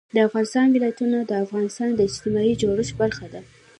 د افغانستان ولايتونه د افغانستان د اجتماعي جوړښت برخه ده.